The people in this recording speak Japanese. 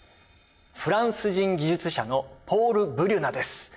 フランス人技術者のポール・ブリュナです。